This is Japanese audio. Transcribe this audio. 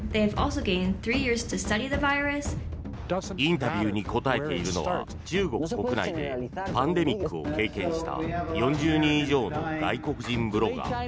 インタビューに答えているのは、中国国内でパンデミックを経験した４０人以上の外国人ブロガー。